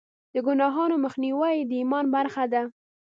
د ګناهونو مخنیوی د ایمان برخه ده.